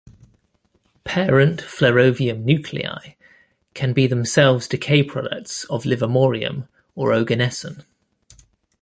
Parent flerovium nuclei can be themselves decay products of livermorium or oganesson.